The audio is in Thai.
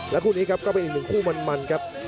คู่นี้ครับก็เป็นอีกหนึ่งคู่มันครับ